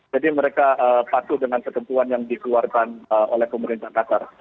jadi mereka patuh dengan kesentuhan yang dikeluarkan oleh pemerintah qatar